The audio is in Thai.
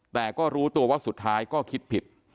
แต่ก็รู้ตัวว่าสุดท้ายก็คิดผิด